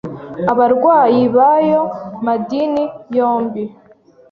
abarwayi b’ayo madini yombi,